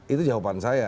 itu jawaban saya